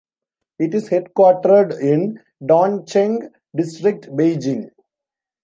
It is headquartered in Dongcheng District, Beijing.